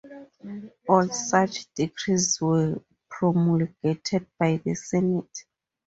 All such decrees were promulgated by the senate.